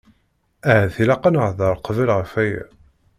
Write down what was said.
Ahat ilaq-aɣ ad nehder qbel ɣef aya.